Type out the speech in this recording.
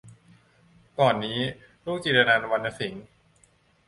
ก่อนนี้ ลูกจิรนันท์ วรรณสิงห์